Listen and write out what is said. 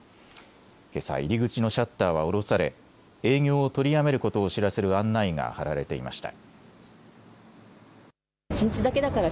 けさ、入り口のシャッターは下ろされ、営業を取りやめることを知らせる案内が貼られていました。